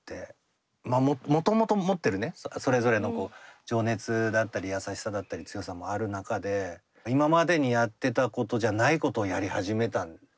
まあもともと持ってるねそれぞれの情熱だったり優しさだったり強さもある中で今までにやってたことじゃないことをやり始めたんですよね